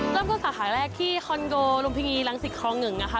เริ่มกันสถานการณ์แรกที่คอนโกลมพิงีรังศิษย์ครองหนึ่งค่ะ